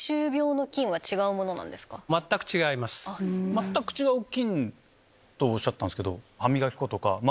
全く違う菌とおっしゃったんすけど。